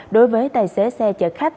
đối với tài xế xe chở khách